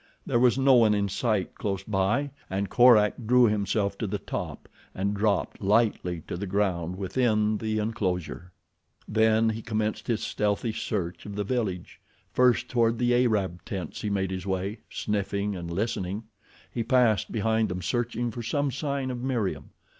There was no one in sight close by, and Korak drew himself to the top and dropped lightly to the ground within the enclosure. Then he commenced his stealthy search of the village. First toward the Arab tents he made his way, sniffing and listening. He passed behind them searching for some sign of Meriem.